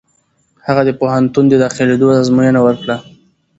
هغه د پوهنتون د داخلېدو ازموینه ورکړه.